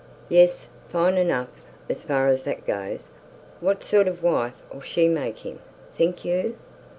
"Yes, fine enough, as far as that goes. What sort of a wife'll she make him, think you?"